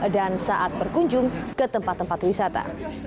dan saat berkunjung ke tempat tempat wisata